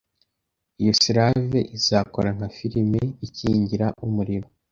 Iyi salve izakora nka firime ikingira umuriro.